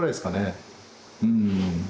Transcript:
うん。